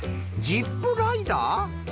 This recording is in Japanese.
ジップライダー？